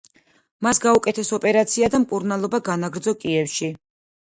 მას გაუკეთეს ოპერაცია და მკურნალობა განაგრძო კიევში.